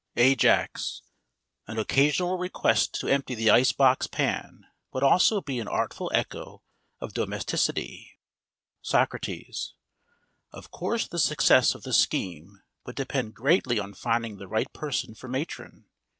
AJAX: An occasional request to empty the ice box pan would also be an artful echo of domesticity. SOCRATES: Of course the success of the scheme would depend greatly on finding the right person for matron.